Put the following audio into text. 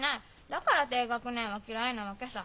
だから低学年は嫌いなわけさ。